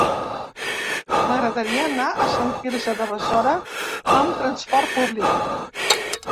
M'agradaria anar a Sant Quirze de Besora amb trasport públic.